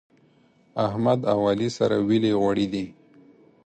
احمد او علي سره ويلي غوړي دي.